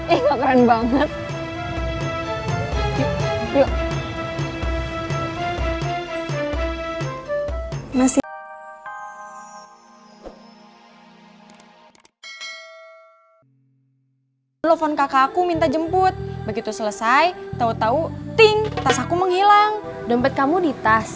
eh gak keren banget